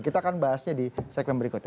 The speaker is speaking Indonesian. kita akan bahasnya di segmen berikutnya